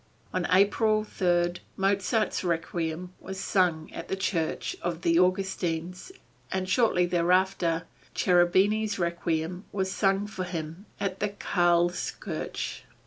On April 3, Mozart's Requiem was sung at the church of the Augustines, and shortly thereafter, Cherubini's Requiem was sung for him at the Karlskirche.